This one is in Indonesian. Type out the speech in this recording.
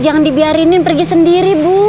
jangan dibiarin pergi sendiri bu